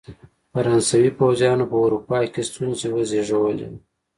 فرانسوي پوځیانو په اروپا کې ستونزې وزېږولې.